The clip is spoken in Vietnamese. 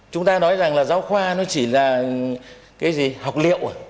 chúng ta nói rằng là giáo khoa nó chỉ là cái gì học liệu à